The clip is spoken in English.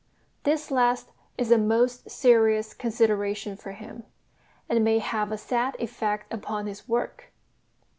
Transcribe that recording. This last is a most serious consideration for him, and may have a sad effect upon his work.